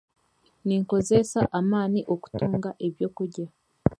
Ninkozesa amaani kutunga ebyokurya